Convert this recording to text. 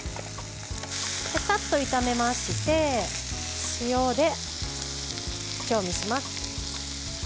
さっと炒めまして塩で調味します。